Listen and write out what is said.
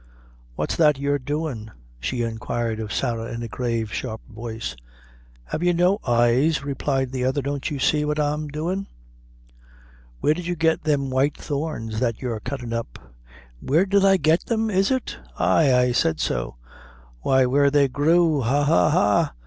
"What's that you're doin'?" she inquired of Sarah, in a grave, sharp voice. "Have you no eyes?" replied the other; "don't you see what I am doin'?" "Where did you get them white thorns that you're cuttin' up?" "Where did I get them, is it?" "Ay; I said so." "Why, where they grew ha, ha, ha!